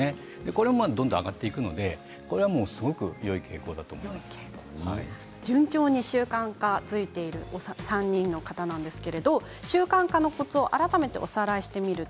それがどんどん上がっていくので順調に習慣がついている３人なんですけれども習慣化のコツ改めておさらいします。